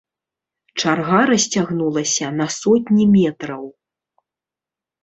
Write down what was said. Чарга расцягнулася на сотні метраў.